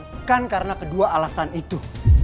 bukan karena kedua alasan itu